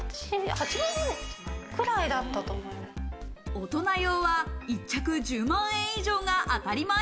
大人用は１着１０万円以上が当たり前。